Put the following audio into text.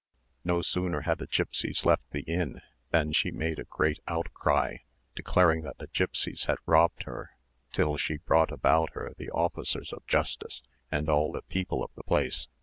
No sooner had the gipsies left the inn than she made a great outcry, declaring that the gipsies had robbed her, till she brought about her the officers of justice and all the people of the place.